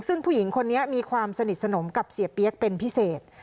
ซึ่งผู้หญิงคนนี้มีความสนิทสนมกับเสียเปี๊ยกเป็นพิเศษ